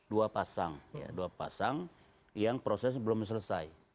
dua pasang dua pasang yang proses belum selesai